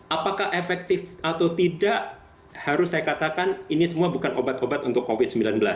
apakah efektif atau tidak harus saya katakan ini semua bukan obat obat untuk covid sembilan belas